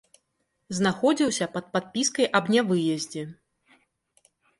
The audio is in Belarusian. Знаходзіўся пад падпіскай аб нявыездзе.